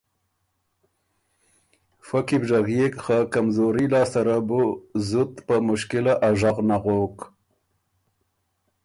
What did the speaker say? فۀ کی بو ژغيېک، خه کمزوري لاسته ره بو زُت په مشکِله ا ژغ نغوک۔